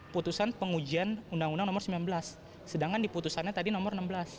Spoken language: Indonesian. putusan pengujian undang undang nomor sembilan belas sedangkan di putusannya tadi nomor enam belas